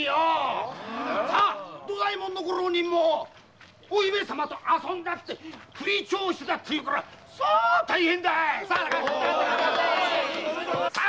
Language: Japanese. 土左衛門のご浪人もお姫様と遊んだって吹聴してたというからさあ大変だ‼さあ